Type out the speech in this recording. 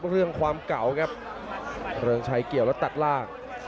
เรื่องความเก่าครับเริงชัยเกี่ยวแล้วตัดล่าง